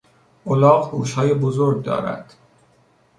الاغ گوشهای بزرگ دارد.